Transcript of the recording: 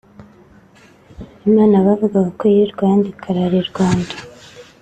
Imana bavugaga ko yirirwa ahandi ikarara i Rwanda